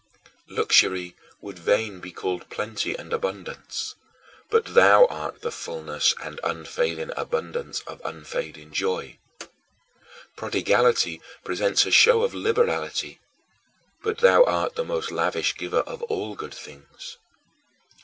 Luxury would fain be called plenty and abundance; but thou art the fullness and unfailing abundance of unfading joy. Prodigality presents a show of liberality; but thou art the most lavish giver of all good things.